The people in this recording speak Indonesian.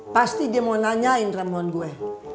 pasti dia mau nanya indra mohon gue